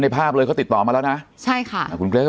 ภาพเลยเขาติดต่อมาแล้วนะใช่ค่ะอ่าคุณเกรทก็